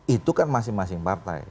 itu kan masing masing partai